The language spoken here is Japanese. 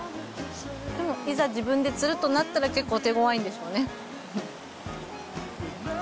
いざ自分で釣るとなったら結構手ごわいんでしょうね。